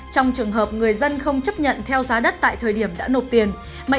trong trường hợp người dân không chấp nhận theo giá đất tại thời điểm đã nộp tiền